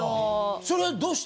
それはどうして？